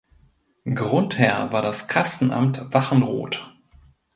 Grundherr war das Kastenamt Wachenroth.